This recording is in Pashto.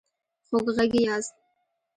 خوږغږي ياست